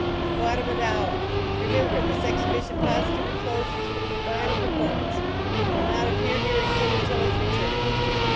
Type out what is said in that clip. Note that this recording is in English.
A quatovadollah ! Remember, this exhi bition positively close> with the final per formance, and will not appear here again un til its return.